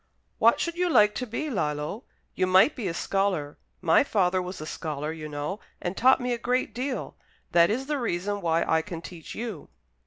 "What should you like to be, Lillo? You might be a scholar. My father was a scholar, you know, and taught me a great deal. That is the reason why I can teach you."